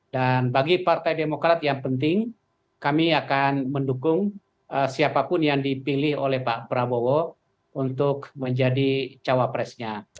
dan bagi partai demokrat yang penting kami akan mendukung siapapun yang dipilih oleh pak prabowo untuk menjadi cawapresnya